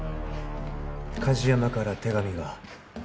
梶山から手紙が。